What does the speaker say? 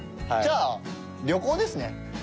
じゃあ旅行ですね。